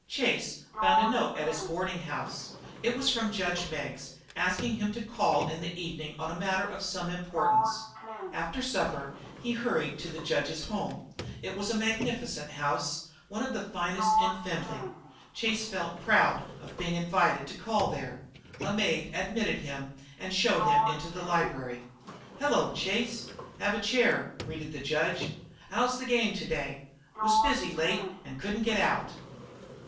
Chase found a note at his boarding house. It was from judge Meggs, asking him to call in the evening on a matter of some importance. After supper he hurried to the judge's home. It was magnificent house, one of the finest in Findlay. Chase felt proud of being invited to call there. A maid admitted him and showed him into the library. "Hello, Chase, have a chair," greeted the judge. "How's the game today? Was busy late and couldn't get out."